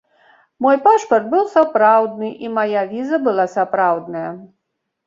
Мой пашпарт быў сапраўдны, і мая віза была сапраўдная.